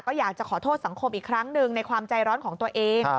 ก็อยากจะขอโทษสังคมอีกครั้งหนึ่งในความใจร้อนของตัวเอง